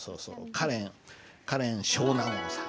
カレンカレン少納言さん。